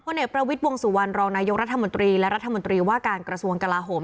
เนกประวิทย์วงสุวรรณรองนายกรัฐมนตรีและรัฐมนตรีว่าการกระทรวงกลาโหม